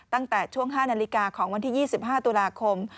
ตั้งแต่ช่วง๕นาฬิกาของวันที่๒๕ตุลาคม